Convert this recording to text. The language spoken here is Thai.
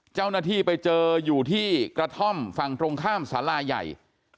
เจ้าหน้าที่ไปเจออยู่ที่กระท่อมฝั่งตรงข้ามสาราใหญ่